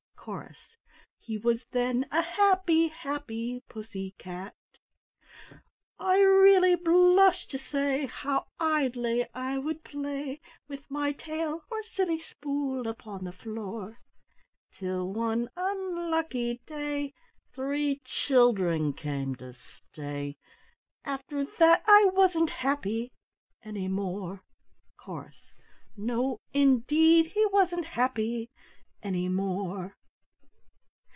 Chorus ("He was then a happy, happy Pussy cat!") "I really blush to say How idly I would play With my tail or silly spool upon the floor Till one unlucky day Three children came to stay After that I wasn't happy any more." Chorus ("No, indeed, he wasn't happy any more!")